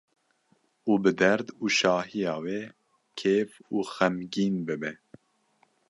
û bi derd û şahiya we kêf û xemgîn bibe.